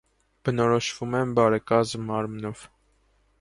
Բնորոշվում են բարեկազմ մարմնով։